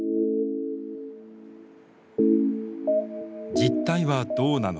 実態はどうなのか。